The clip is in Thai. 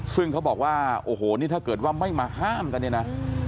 ซึ่งเขาบอกว่าโอ้โหนี่ถ้าเกิดว่าไม่มาห้ามกันเนี่ยนะ